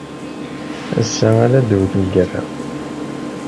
Assa-a ad tewwet lgerra.